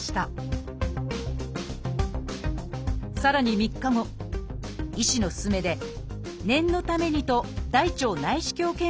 さらに３日後医師の勧めで念のためにと大腸内視鏡検査もしたのです。